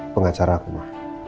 pengacara aku ma